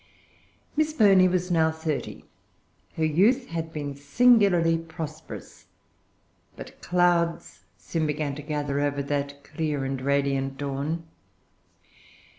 Miss Burney was now thirty. Her youth had been singularly prosperous; but clouds soon began to gather over that clear and radiant dawn.